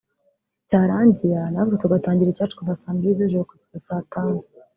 cyarangira natwe tugatangira icyacu kuva saa mbili z’ijoro kugeza saa tanu